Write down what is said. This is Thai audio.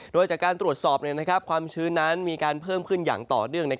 โดยจากการตรวจสอบความชื้นนั้นมีการเพิ่มขึ้นอย่างต่อเนื่อง